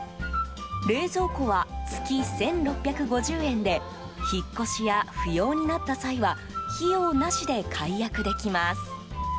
冷蔵庫は月１６５０円で引っ越しや不要になった際は費用なしで解約できます。